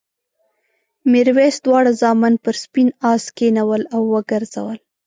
میرويس دواړه زامن پر سپین آس کېنول او وګرځول.